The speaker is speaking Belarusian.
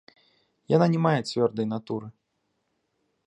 Яна не мае цвёрдай натуры.